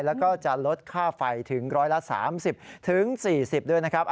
แล้วก็จะลดค่าไฟถึง๑๓๐๔๐ด้วยนะครับ